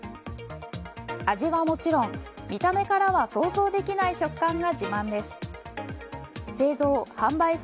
味はもちろん見た目からは想像できない食感が自慢です。